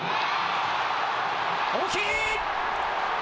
大きい。